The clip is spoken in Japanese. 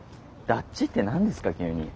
だっちって何ですか急に。